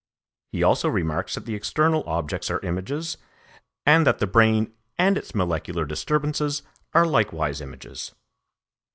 He also remarks that the external objects are images, and that the brain and its molecular disturbances are likewise images.